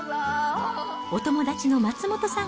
お友達の松元さん